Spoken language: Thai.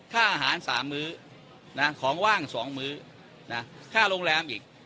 ค่าอาหารสามมื้อนะของว่างสองมื้อนะค่าโรงแรมอีก